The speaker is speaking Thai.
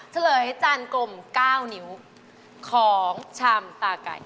เฉลยจานกลม๙นิ้วของชามตาไก่